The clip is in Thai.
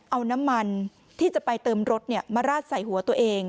เอาน้ำมันที่จะไปเติมรถมาราดใส่หัวตัวเอง